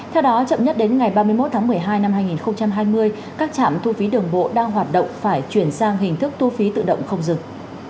theo đó chậm nhất đến ngày ba mươi một tháng một mươi hai năm hai nghìn hai mươi các trạm thu phí đường bộ đang hoạt động phải chuyển sang hình thức thu phí tự động không dừng